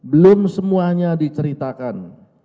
belum semuanya diceritakan